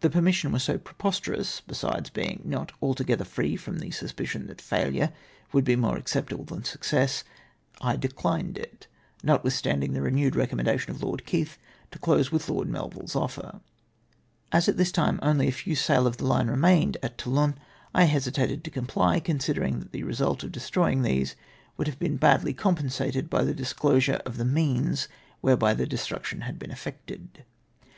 The permission was so preposterous, besides being not altogether free from the suspicion that failure woidd be more acceptable than success, I declined it, notwithstanding the renewed recommendation of Lord Keith to close with Lord Melville's offer. • As at this time only a few sail of the line remained at Toulon, I hesitated to comply, con sidering tliat the result of destroying these would have ])een badly compensated l)y the disclosure of the means whereby their destruction had l)een effected.